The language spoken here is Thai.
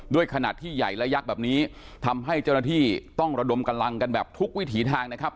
ขนาดที่ใหญ่และยักษ์แบบนี้ทำให้เจ้าหน้าที่ต้องระดมกำลังกันแบบทุกวิถีทางนะครับ